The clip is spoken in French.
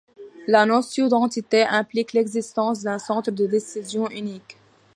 La notion d'entité implique l'existence d'un centre de décision unique.